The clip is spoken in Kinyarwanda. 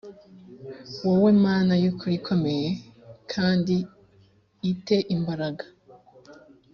wowe mana y ukuri ikomeye m kandi i te imbaraga